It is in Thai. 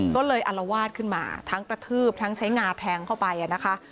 ก็เลยอลวาดขึ้นมาทั้งกระทืบทั้งใช้งาแทงเข้าไปนะคะ